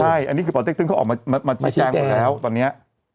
ใช่อันนี้คือป่อเต็กตึ้งเขาออกมาชี้แจงหมดแล้วตอนนี้